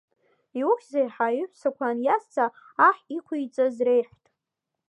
Иухьзеи ҳа иҳәсақәа инизҵаа, аҳ иқәиҵаз реиҳәт.